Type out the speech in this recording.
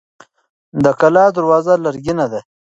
د کلا دروازه لرګینه ده.